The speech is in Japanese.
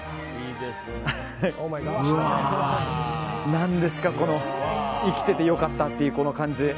何ですかこの生きてて良かったっていうこの感じ。